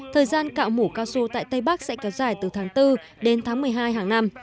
thời gian cạo mù casu tại tây bắc sẽ kéo dài từ tháng bốn đến tháng một mươi hai hàng năm